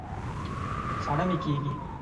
ساړه مي کېږي